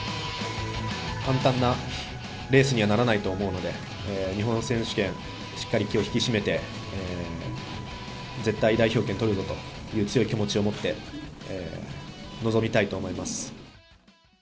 簡単なレースにはならないと思うので、日本選手権、しっかり気を引き締めて、絶対代表権取るぞという強い気持ちを持って、臨みたいと思います。